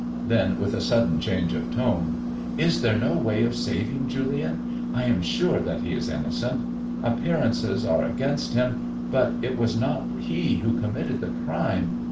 Then,.with a sudden change of tone, " Is there no way of saving Julian ? I am sure that he is innocent. Appearances are against him, but it was not he who committed the crime.